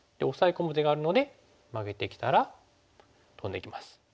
込む手があるのでマゲてきたらトンでいきます。